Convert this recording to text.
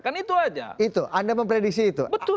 kan itu aja itu anda memprediksi itu